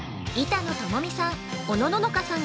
◆板野友美さん